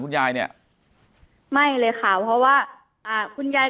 แต่คุณยายจะขอย้ายโรงเรียน